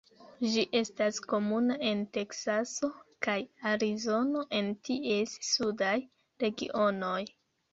Ĝi estas komuna en Teksaso kaj Arizono en ties sudaj regionoj.